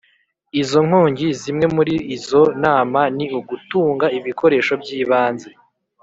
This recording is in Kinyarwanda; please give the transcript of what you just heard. izo nkongi Zimwe muri izo nama ni ugutunga ibikoresho by ibanze